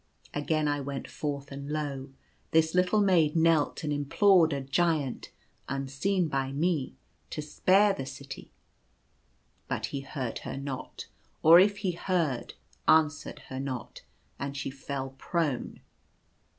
Again I went forth, and lo ! this little maid knelt and implored a Giant, unseen by me, to spare the city; but he heard her not, or, if he heard, answered her not, and she fell prone.